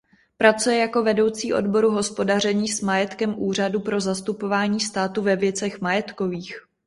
Pracuje jako vedoucí odboru Hospodaření s majetkem Úřadu pro zastupování státu ve věcech majetkových.